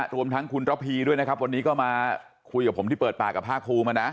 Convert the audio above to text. รวมทั้งคุณระพีด้วยนะครับวันนี้ก็มาคุยกับผมที่เปิดปากกับภาคภูมิมานะ